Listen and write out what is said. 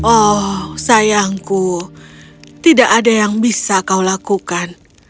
oh sayangku tidak ada yang bisa kau lakukan